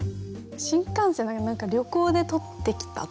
新幹線だから何か旅行でとってきたとか。